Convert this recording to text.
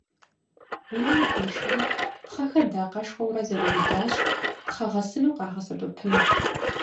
Унэм къишэри, пхъэхэр дакъэшхуэурэ зэгуиудащ, пхъэ гъэсыну къагъэсэбэпыну.